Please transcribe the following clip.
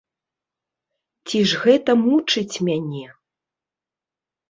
Ці ж гэта мучыць мяне?